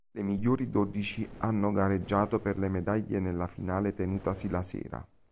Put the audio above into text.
Le migliori dodici hanno gareggiato per le medaglie nella finale tenutasi la sera.